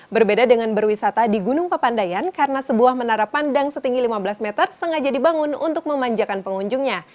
berbeda dengan berwisata di gunung papandayan karena sebuah menara pandang setinggi lima belas meter sengaja dibangun untuk memanjakan pengunjungnya